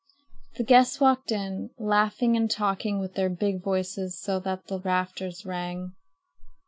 The guests walked in laughing and talking with their big voices so that the rafters rang.